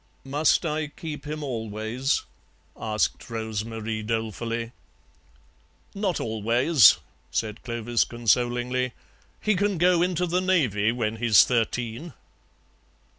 "Must I keep him always?" asked Rose Marie dolefully. "Not always," said Clovis consolingly; "he can go into the Navy when he's thirteen."